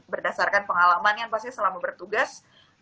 berdasarkan pengalaman yang pasti selama bertugas